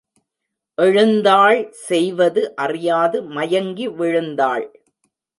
எழுந்தாள் செய்வது அறியாது மயங்கி விழுந்தாள்.